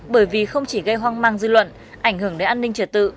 bởi vì không chỉ gây hoang mang dư luận ảnh hưởng đến an ninh trật tự